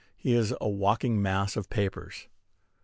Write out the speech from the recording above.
He is a walking mass of papers.